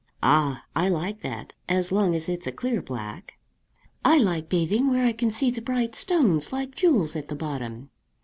"Ah! I like that, as long as it's a clear black." "I like bathing where I can see the bright stones like jewels at the bottom.